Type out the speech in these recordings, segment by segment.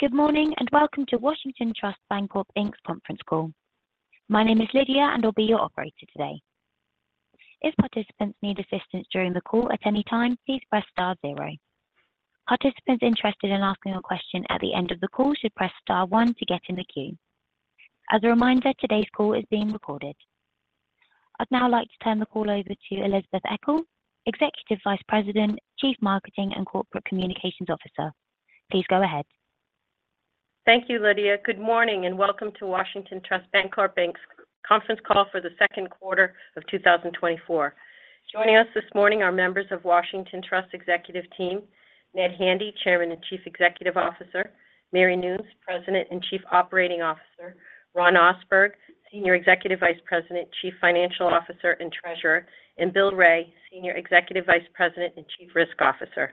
Good morning and welcome to Washington Trust Bancorp, Inc.'s Conference call. My name is Lydia, and I'll be your operator today. If participants need assistance during the call at any time, please press star zero. Participants interested in asking a question at the end of the call should press star one to get in the queue. As a reminder, today's call is being recorded. I'd now like to turn the call over to Elizabeth Eckel, Executive Vice President, Chief Marketing and Corporate Communications Officer. Please go ahead. Thank you, Lydia. Good morning and welcome to Washington Trust Bancorp, Inc.'s conference call for the second quarter of 2024. Joining us this morning are members of Washington Trust's executive team, Ned Handy, Chairman and Chief Executive Officer, Mary Noons, President and Chief Operating Officer, Ron Ohsberg, Senior Executive Vice President, Chief Financial Officer and Treasurer, and Bill Wray, Senior Executive Vice President and Chief Risk Officer.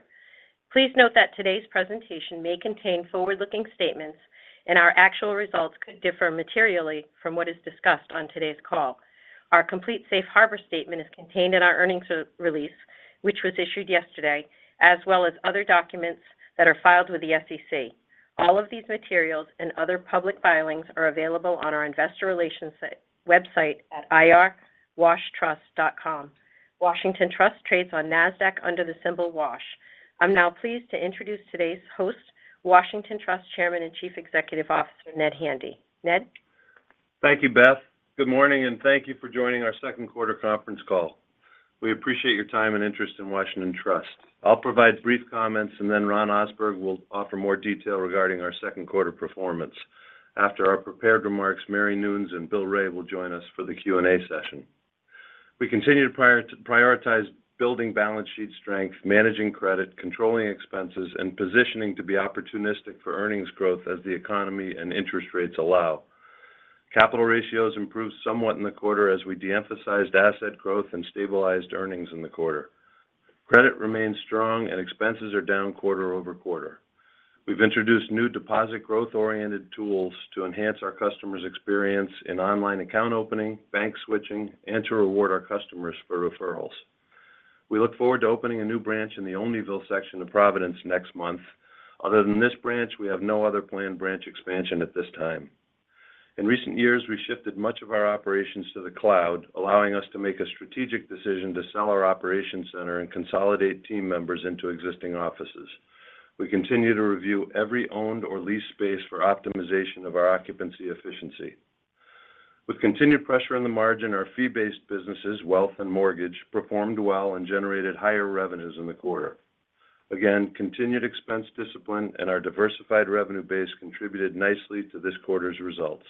Please note that today's presentation may contain forward-looking statements, and our actual results could differ materially from what is discussed on today's call. Our complete safe harbor statement is contained in our earnings release, which was issued yesterday, as well as other documents that are filed with the SEC. All of these materials and other public filings are available on our investor relations website at ir.washtrust.com. Washington Trust trades on NASDAQ under the symbol WASH. I'm now pleased to introduce today's host, Washington Trust Chairman and Chief Executive Officer Ned Handy. Ned? Thank you, Beth. Good morning and thank you for joining our second quarter conference call. We appreciate your time and interest in Washington Trust. I'll provide brief comments, and then Ron Ohsberg will offer more detail regarding our second quarter performance. After our prepared remarks, Mary Noons and Bill Wray will join us for the Q&A session. We continue to prioritize building balance sheet strength, managing credit, controlling expenses, and positioning to be opportunistic for earnings growth as the economy and interest rates allow. Capital ratios improved somewhat in the quarter as we de-emphasized asset growth and stabilized earnings in the quarter. Credit remains strong, and expenses are down quarter over quarter. We've introduced new deposit growth-oriented tools to enhance our customers' experience in online account opening, bank switching, and to reward our customers for referrals. We look forward to opening a new branch in the Olneyville section of Providence next month. Other than this branch, we have no other planned branch expansion at this time. In recent years, we shifted much of our operations to the cloud, allowing us to make a strategic decision to sell our operations center and consolidate team members into existing offices. We continue to review every owned or leased space for optimization of our occupancy efficiency. With continued pressure on the margin, our fee-based businesses, wealth, and mortgage performed well and generated higher revenues in the quarter. Again, continued expense discipline and our diversified revenue base contributed nicely to this quarter's results.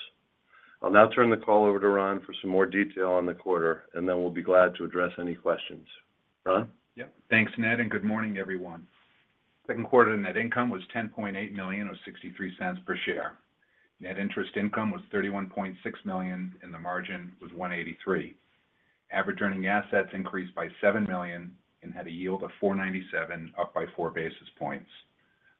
I'll now turn the call over to Ron for some more detail on the quarter, and then we'll be glad to address any questions. Ron? Yep. Thanks, Ned, and good morning, everyone. Second quarter net income was $10.8 million or 63 cents per share. Net interest income was $31.6 million, and the margin was 1.83%. Average earning assets increased by $7 million and had a yield of 4.97%, up by four basis points.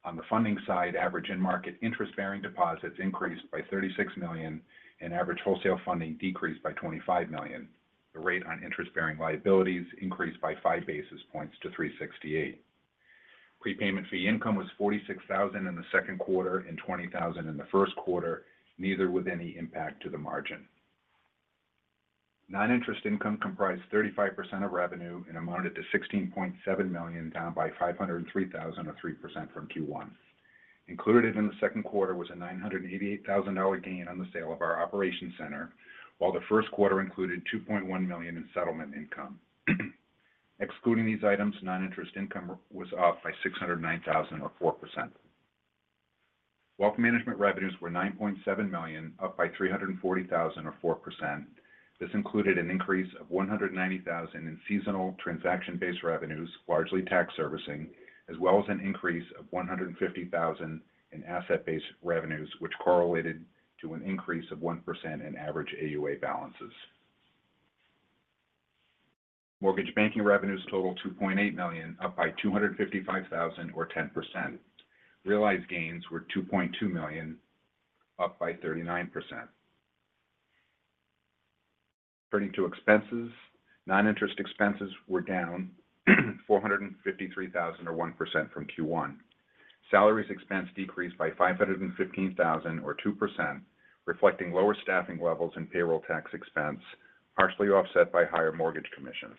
On the funding side, average in-market interest-bearing deposits increased by $36 million, and average wholesale funding decreased by $25 million. The rate on interest-bearing liabilities increased by five basis points to 3.68%. Prepayment fee income was $46,000 in the second quarter and $20,000 in the first quarter, neither with any impact to the margin. Non-interest income comprised 35% of revenue and amounted to $16.7 million, down by $503,000, or 3% from Q1. Included in the second quarter was a $988,000 gain on the sale of our operations center, while the first quarter included $2.1 million in settlement income. Excluding these items, non-interest income was up by $609,000, or 4%. Wealth management revenues were $9.7 million, up by $340,000, or 4%. This included an increase of $190,000 in seasonal transaction-based revenues, largely tax servicing, as well as an increase of $150,000 in asset-based revenues, which correlated to an increase of 1% in average AUA balances. Mortgage banking revenues totaled $2.8 million, up by $255,000, or 10%. Realized gains were $2.2 million, up by 39%. Turning to expenses, non-interest expenses were down $453,000, or 1% from Q1. Salaries expense decreased by $515,000, or 2%, reflecting lower staffing levels and payroll tax expense, partially offset by higher mortgage commissions.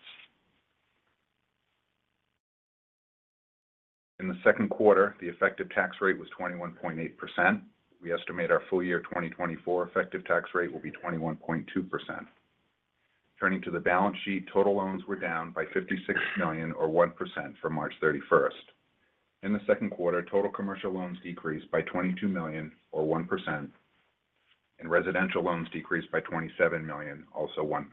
In the second quarter, the effective tax rate was 21.8%. We estimate our full year 2024 effective tax rate will be 21.2%. Turning to the balance sheet, total loans were down by $56 million, or 1%, from March 31st. In the second quarter, total commercial loans decreased by $22 million, or 1%, and residential loans decreased by $27 million, also 1%.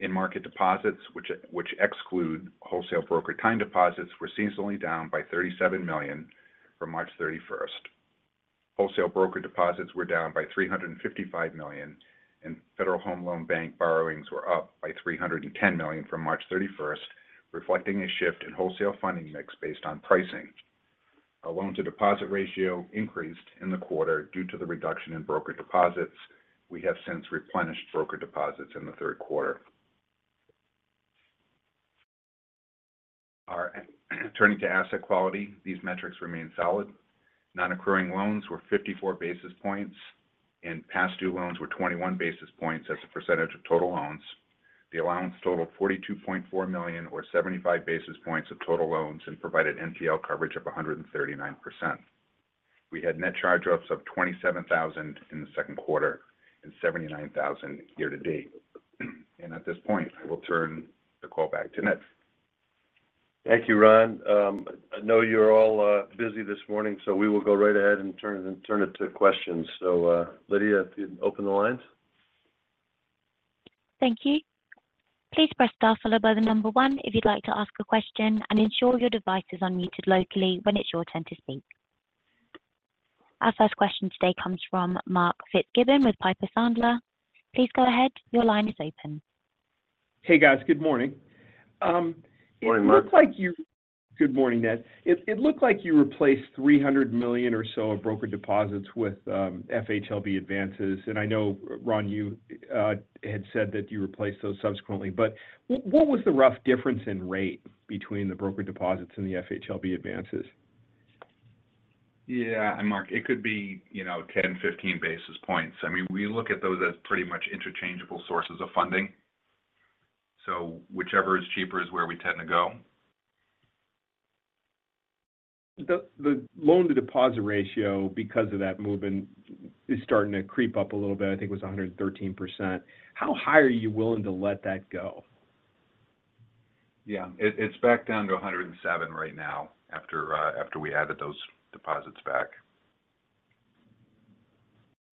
In-market deposits, which exclude wholesale broker time deposits, were seasonally down by $37 million from March 31st. Wholesale broker deposits were down by $355 million, and Federal Home Loan Bank borrowings were up by $310 million from March 31st, reflecting a shift in wholesale funding mix based on pricing. Our loan-to-deposit ratio increased in the quarter due to the reduction in broker deposits. We have since replenished broker deposits in the third quarter. Turning to asset quality, these metrics remain solid. Non-accrual loans were 54 basis points, and past due loans were 21 basis points as a percentage of total loans. The allowance totaled $42.4 million, or 75 basis points of total loans, and provided NPL coverage of 139%. We had net charge-offs of $27,000 in the second quarter and $79,000 year-to-date. At this point, I will turn the call back to Ned. Thank you, Ron. I know you're all busy this morning, so we will go right ahead and turn it to questions. So, Lydia, if you'd open the lines. Thank you. Please press star followed by the number one if you'd like to ask a question, and ensure your device is unmuted locally when it's your turn to speak. Our first question today comes from Mark Fitzgibbon with Piper Sandler. Please go ahead. Your line is open. Hey, guys. Good morning. Good morning, Mark. It looked like you, good morning, Ned. It looked like you replaced $300 million or so of broker deposits with FHLB Advances. And I know, Ron, you had said that you replaced those subsequently. But what was the rough difference in rate between the broker deposits and the FHLB Advances? Yeah. And, Mark, it could be 10-15 basis points. I mean, we look at those as pretty much interchangeable sources of funding. So whichever is cheaper is where we tend to go. The loan-to-deposit ratio, because of that movement, is starting to creep up a little bit. I think it was 113%. How high are you willing to let that go? Yeah. It's back down to 107 right now after we added those deposits back.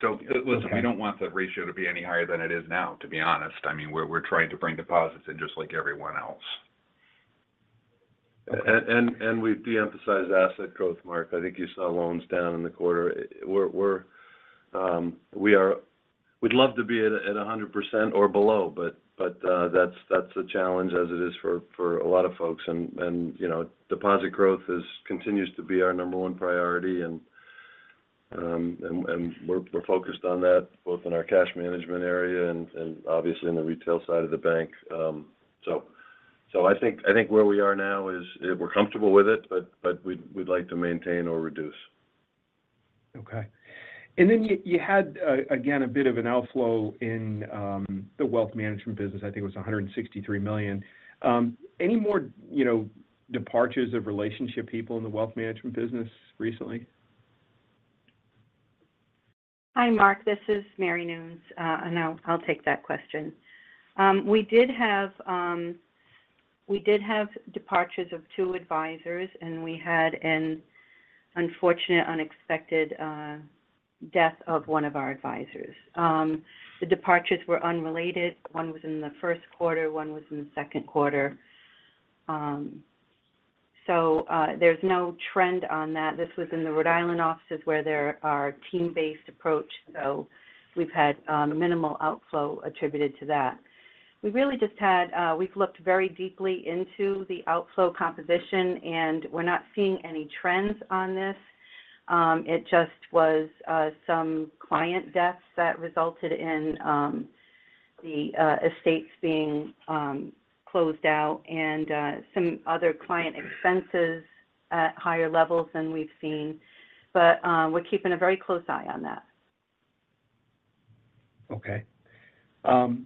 So listen, we don't want the ratio to be any higher than it is now, to be honest. I mean, we're trying to bring deposits in just like everyone else. We de-emphasize asset growth, Mark. I think you saw loans down in the quarter. We'd love to be at 100% or below, but that's a challenge as it is for a lot of folks. Deposit growth continues to be our number one priority, and we're focused on that both in our cash management area and, obviously, in the retail side of the bank. I think where we are now is we're comfortable with it, but we'd like to maintain or reduce. Okay. And then you had, again, a bit of an outflow in the wealth management business. I think it was $163 million. Any more departures of relationship people in the wealth management business recently? Hi, Mark. This is Mary Noons, and I'll take that question. We did have departures of two advisors, and we had an unfortunate, unexpected death of one of our advisors. The departures were unrelated. One was in the first quarter. One was in the second quarter. So there's no trend on that. This was in the Rhode Island offices where there are team-based approaches, so we've had minimal outflow attributed to that. We really just had. We've looked very deeply into the outflow composition, and we're not seeing any trends on this. It just was some client deaths that resulted in the estates being closed out and some other client expenses at higher levels than we've seen. But we're keeping a very close eye on that. Okay. And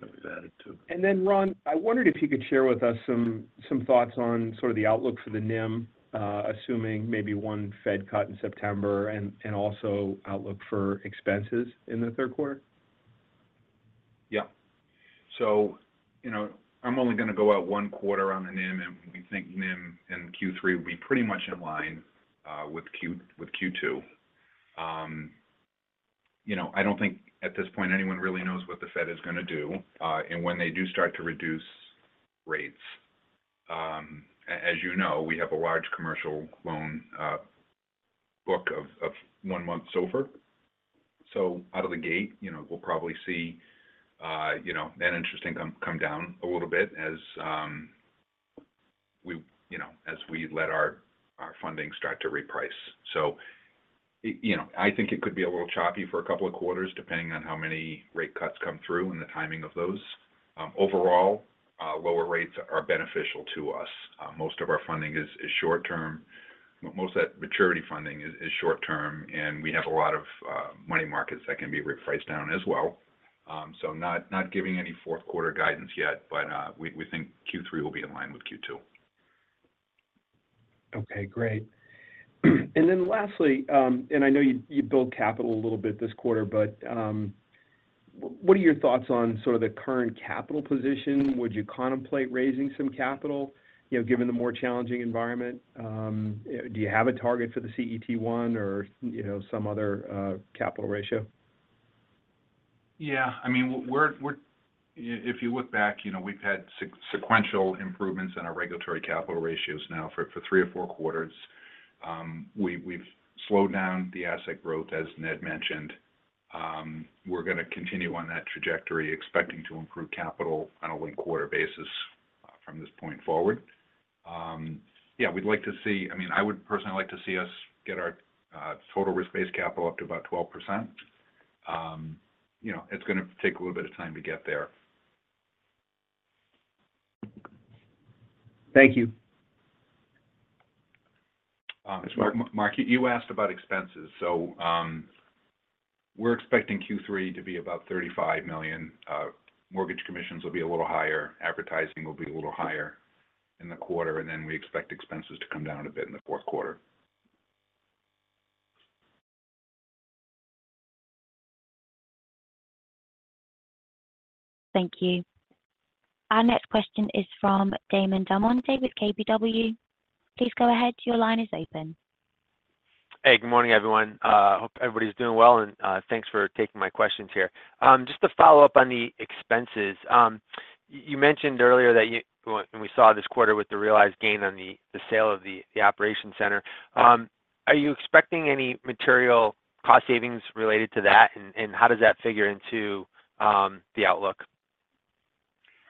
then, Ron, I wondered if you could share with us some thoughts on sort of the outlook for the NIM, assuming maybe one Fed cut in September, and also outlook for expenses in the third quarter? Yeah. So I'm only going to go out one quarter on the NIM, and we think NIM in Q3 will be pretty much in line with Q2. I don't think, at this point, anyone really knows what the Fed is going to do and when they do start to reduce rates. As you know, we have a large commercial loan book of one-month SOFR. So out of the gate, we'll probably see net interest income come down a little bit as we let our funding start to reprice. So I think it could be a little choppy for a couple of quarters, depending on how many rate cuts come through and the timing of those. Overall, lower rates are beneficial to us. Most of our funding is short-term. Most of that maturity funding is short-term, and we have a lot of money markets that can be repriced down as well. So not giving any fourth-quarter guidance yet, but we think Q3 will be in line with Q2. Okay. Great. And then lastly, and I know you built capital a little bit this quarter, but what are your thoughts on sort of the current capital position? Would you contemplate raising some capital given the more challenging environment? Do you have a target for the CET1 or some other capital ratio? Yeah. I mean, if you look back, we've had sequential improvements in our regulatory capital ratios now for three or four quarters. We've slowed down the asset growth, as Ned mentioned. We're going to continue on that trajectory, expecting to improve capital on a quarter basis from this point forward. Yeah. We'd like to see—I mean, I would personally like to see us get our total risk-based capital up to about 12%. It's going to take a little bit of time to get there. Thank you. Thanks, Mark. Mark, you asked about expenses. We're expecting Q3 to be about $35 million. Mortgage commissions will be a little higher. Advertising will be a little higher in the quarter. Then we expect expenses to come down a bit in the fourth quarter. Thank you. Our next question is from Damon DelMonte with KBW. Please go ahead. Your line is open. Hey. Good morning, everyone. I hope everybody's doing well, and thanks for taking my questions here. Just to follow up on the expenses, you mentioned earlier that you, and we saw this quarter with the realized gain on the sale of the operations center. Are you expecting any material cost savings related to that, and how does that figure into the outlook?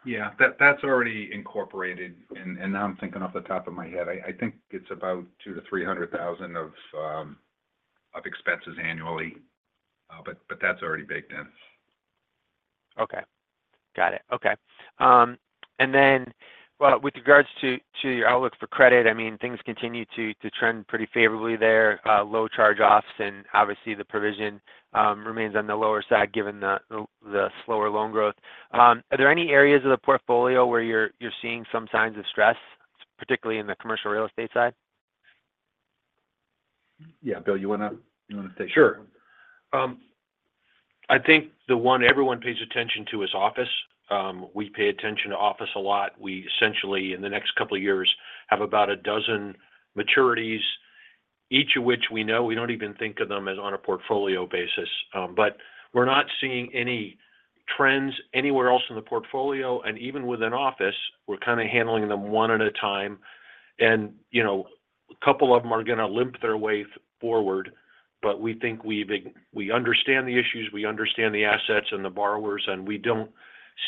Yeah. That's already incorporated, and now I'm thinking off the top of my head. I think it's about $200,000-$300,000 of expenses annually, but that's already baked in. Okay. Got it. Okay. And then with regards to your outlook for credit, I mean, things continue to trend pretty favorably there. Low charge-offs, and obviously, the provision remains on the lower side given the slower loan growth. Are there any areas of the portfolio where you're seeing some signs of stress, particularly in the commercial real estate side? Yeah. Bill, you want to take that one? Sure. I think the one everyone pays attention to is office. We pay attention to office a lot. We, essentially, in the next couple of years have about a dozen maturities, each of which we know—we don't even think of them as on a portfolio basis. But we're not seeing any trends anywhere else in the portfolio. And even within office, we're kind of handling them one at a time. And a couple of them are going to limp their way forward, but we think we understand the issues. We understand the assets and the borrowers, and we don't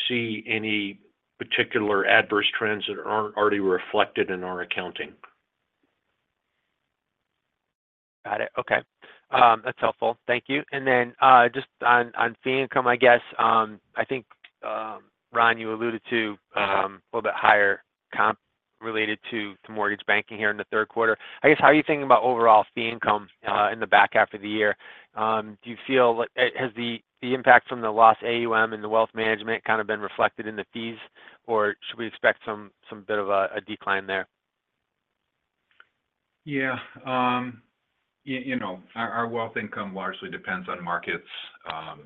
see any particular adverse trends that aren't already reflected in our accounting. Got it. Okay. That's helpful. Thank you. And then just on fee income, I guess, I think, Ron, you alluded to a little bit higher comp related to mortgage banking here in the third quarter. I guess, how are you thinking about overall fee income in the back half of the year? Do you feel has the impact from the lost AUM and the wealth management kind of been reflected in the fees, or should we expect some bit of a decline there? Yeah. Our wealth income largely depends on markets. Out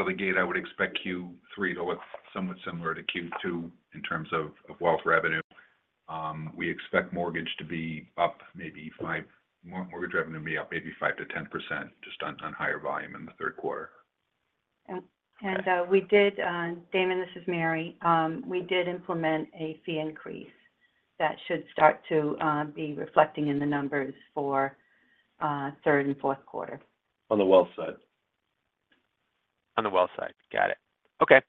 of the gate, I would expect Q3 to look somewhat similar to Q2 in terms of wealth revenue. We expect mortgage to be up maybe, mortgage revenue to be up maybe 5%-10% just on higher volume in the third quarter. And we did, Damon. This is Mary. We did implement a fee increase that should start to be reflecting in the numbers for third and fourth quarter. On the wealth side. On the wealth side. Got it. Okay.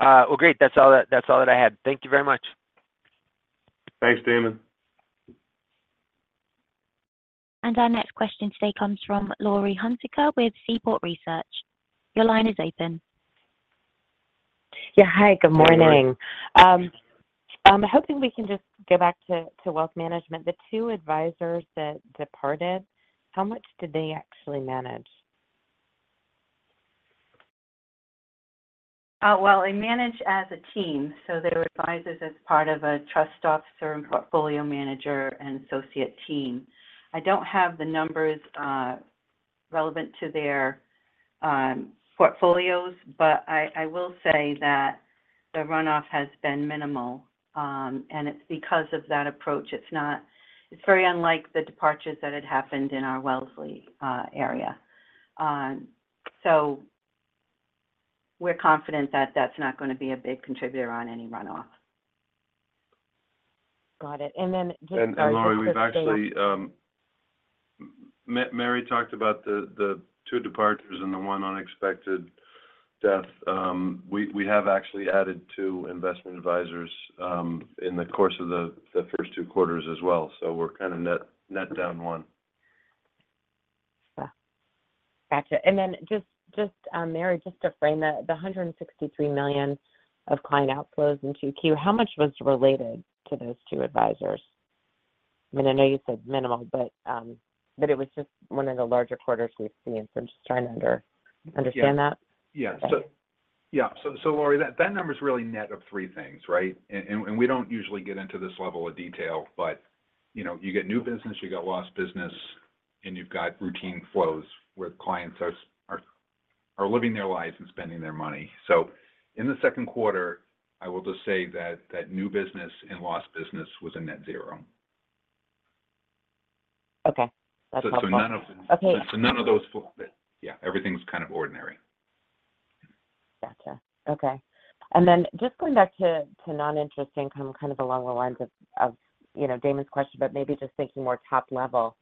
Well, great. That's all that I had. Thank you very much. Thanks, Damon. Our next question today comes from Laurie Hunsicker with Seaport Research. Your line is open. Yeah. Hi. Good morning. Good morning. I'm hoping we can just go back to wealth management. The two advisors that departed, how much did they actually manage? Well, they managed as a team. So they were advisors as part of a trust officer and portfolio manager and associate team. I don't have the numbers relevant to their portfolios, but I will say that the runoff has been minimal, and it's because of that approach. It's very unlike the departures that had happened in our Wellesley area. So we're confident that that's not going to be a big contributor on any runoff. Got it. And then just. Laurie, we've actually, Mary talked about the 2 departures and the 1 unexpected death. We have actually added 2 investment advisors in the course of the first 2 quarters as well. We're kind of net down 1. Gotcha. And then just, Mary, just to frame that, the $163 million of client outflows in Q2, how much was related to those two advisors? I mean, I know you said minimal, but it was just one of the larger quarters we've seen. So I'm just trying to understand that. Yeah. Yeah. So, Laurie, that number's really net of three things, right? We don't usually get into this level of detail, but you get new business, you got lost business, and you've got routine flows where clients are living their lives and spending their money. So in the second quarter, I will just say that new business and lost business was a net zero. Okay. That's helpful. Okay. None of those, yeah, everything's kind of ordinary. Gotcha. Okay. And then just going back to non-interest income, kind of along the lines of Damon's question, but maybe just thinking more top-level,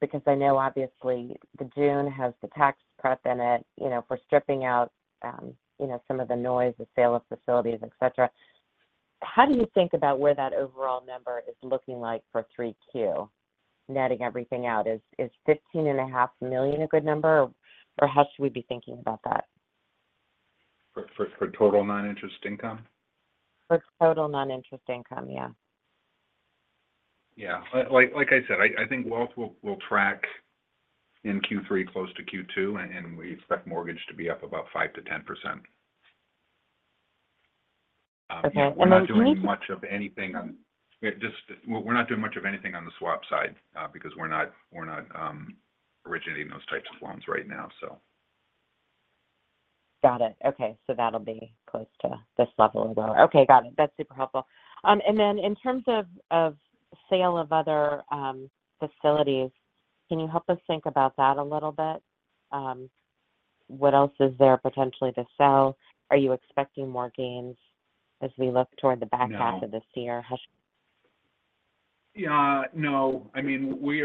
because I know, obviously, the June has the tax prep in it for stripping out some of the noise, the sale of facilities, etc. How do you think about where that overall number is looking like for 3Q, netting everything out? Is $15.5 million a good number, or how should we be thinking about that? For total non-interest income? For total noninterest income, yeah. Yeah. Like I said, I think wealth will track in Q3 close to Q2, and we expect mortgage to be up about 5%-10%. Okay. And then do you need? We're not doing much of anything on the swap side because we're not originating those types of loans right now, so. Got it. Okay. So that'll be close to this level as well. Okay. Got it. That's super helpful. And then in terms of sale of other facilities, can you help us think about that a little bit? What else is there potentially to sell? Are you expecting more gains as we look toward the back half of this year? Yeah. No. I mean, we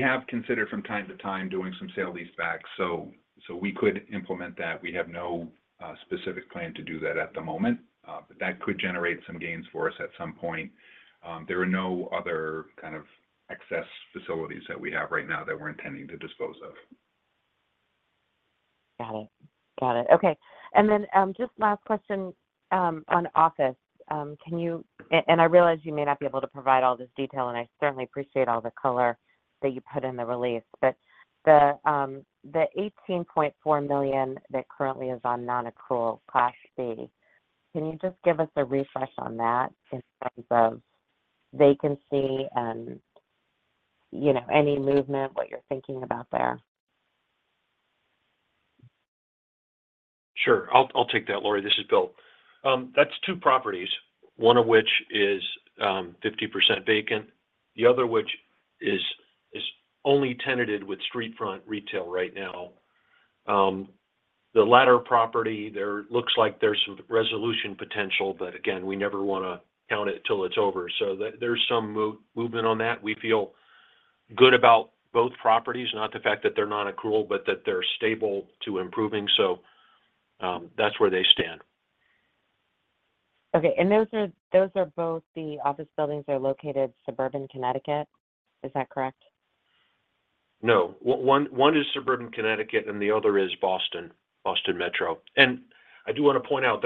have considered from time to time doing some sale-leasebacks, so we could implement that. We have no specific plan to do that at the moment, but that could generate some gains for us at some point. There are no other kind of excess facilities that we have right now that we're intending to dispose of. Got it. Got it. Okay. And then just last question on office. And I realize you may not be able to provide all this detail, and I certainly appreciate all the color that you put in the release, but the $18.4 million that currently is on non-accrual Class B, can you just give us a refresh on that in terms of vacancy and any movement, what you're thinking about there? Sure. I'll take that, Laurie. This is Bill. That's two properties, one of which is 50% vacant, the other which is only tenanted with streetfront retail right now. The latter property, there looks like there's some resolution potential, but again, we never want to count it till it's over. So there's some movement on that. We feel good about both properties, not the fact that they're non-accrual, but that they're stable to improving. So that's where they stand. Okay. And those are both the office buildings are located suburban Connecticut. Is that correct? No. One is suburban Connecticut, and the other is Boston, Boston Metro. And I do want to point out,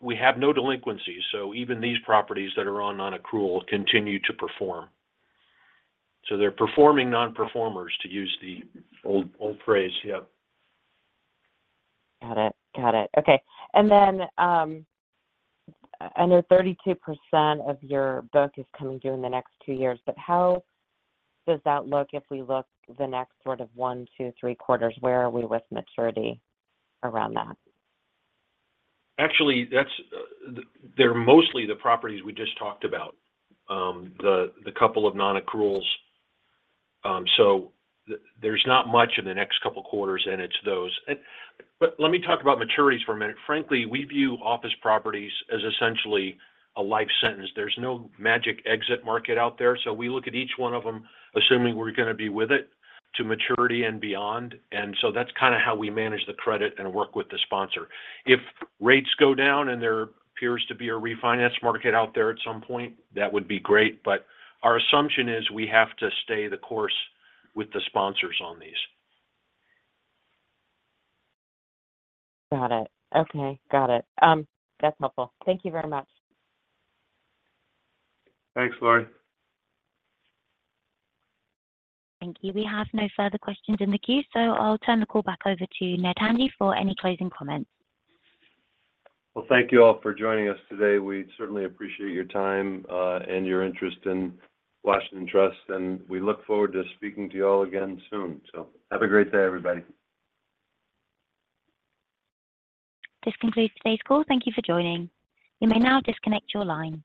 we have no delinquencies. So even these properties that are on non-accrual continue to perform. So they're performing non-performers, to use the old phrase. Yeah. Got it. Got it. Okay. And then I know 32% of your book is coming due in the next two years, but how does that look if we look the next sort of one, two, three quarters? Where are we with maturity around that? Actually, they're mostly the properties we just talked about, the couple of non-accruals. So there's not much in the next couple of quarters in it, those. But let me talk about maturities for a minute. Frankly, we view office properties as essentially a life sentence. There's no magic exit market out there. So we look at each one of them, assuming we're going to be with it to maturity and beyond. And so that's kind of how we manage the credit and work with the sponsor. If rates go down and there appears to be a refinance market out there at some point, that would be great. But our assumption is we have to stay the course with the sponsors on these. Got it. Okay. Got it. That's helpful. Thank you very much. Thanks, Laurie. Thank you. We have no further questions in the queue, so I'll turn the call back over to Ned Handy for any closing comments. Well, thank you all for joining us today. We certainly appreciate your time and your interest in Washington Trust, and we look forward to speaking to you all again soon. So have a great day, everybody. This concludes today's call. Thank you for joining. You may now disconnect your line.